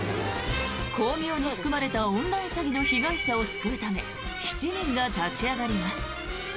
巧妙に仕組まれたオンライン詐欺の被害者を救うため７人が立ち上がります。